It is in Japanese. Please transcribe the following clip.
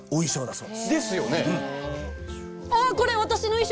そう。